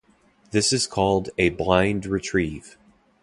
This is called a "blind" retrieve.